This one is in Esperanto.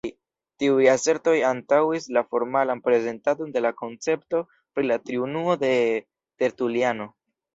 Tiuj asertoj antaŭis la formalan prezentadon de la koncepto pri la Triunuo de Tertuliano.